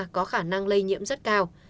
có khả năng lây nhiễm rất cao